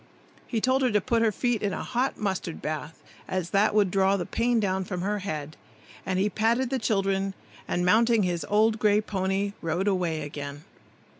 He told her to put her feet in a hot mustard bath, as that would draw the pain down from her head; then he patted the children, and mounting his old gray pony, rode away again.